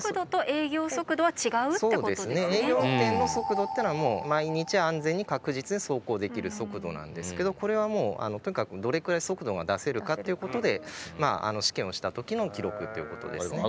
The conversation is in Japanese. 営業運転の速度っていうのは毎日安全に確実に走行できる速度なんですけどこれはもうとにかくどれくらい速度が出せるかってことで試験をした時の記録っていうことですね。